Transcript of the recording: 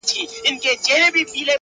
دغه خبرې کړه، نور بس راپسې وبه ژاړې~